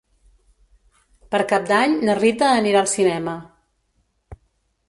Per Cap d'Any na Rita anirà al cinema.